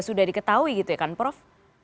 sudah diketahui gitu ya kan prof